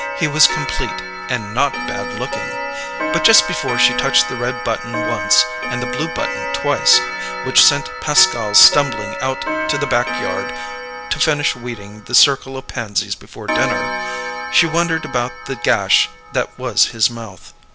He was complete, and not bad looking! But just before she touched the red button once and the blue button twice which sent Pascal stumbling out to the backyard to finish weeding the circle of pansies before dinner she wondered about the gash that was his mouth.